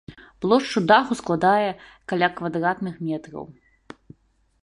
Плошчу даху складае каля квадратных метраў.